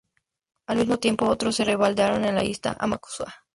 Al mismo tiempo, otros se rebelaron en las islas Amakusa.